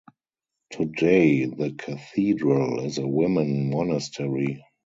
Today the cathedral is a women monastery.